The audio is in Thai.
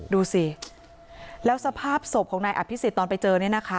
ดูสิแล้วสภาพศพของนายอภิษฎตอนไปเจอเนี่ยนะคะ